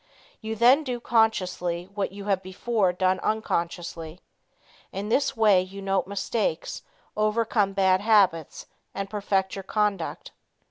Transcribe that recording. You then do consciously what you have before done unconsciously. In this way you note mistakes, overcome bad habits and perfect your conduct.